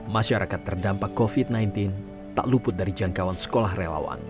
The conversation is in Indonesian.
masyarakat terdampak covid sembilan belas tak luput dari jangkauan sekolah relawan